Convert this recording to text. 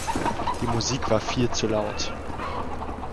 Die Musik war viel zu laut.